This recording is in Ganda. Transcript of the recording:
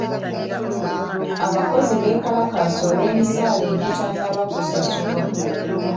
Abakozi bekalakaasa olw'emisaala egitannaba kusasulirwa.